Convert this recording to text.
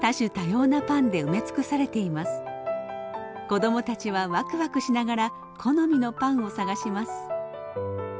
子どもたちはわくわくしながら好みのパンを探します。